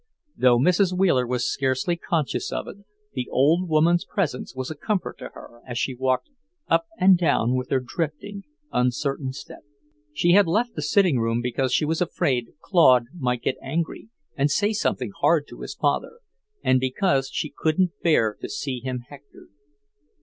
Though Mrs. Wheeler was scarcely conscious of it, the old woman's presence was a comfort to her, as she walked up and down with her drifting, uncertain step. She had left the sitting room because she was afraid Claude might get angry and say something hard to his father, and because she couldn't bear to see him hectored.